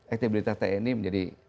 aktivitas tni menjadi